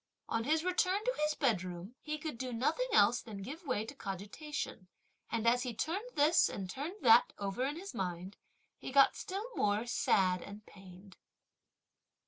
On his return to his bedroom, he could do nothing else than give way to cogitation, and, as he turned this and turned that over in his mind, he got still more sad and pained.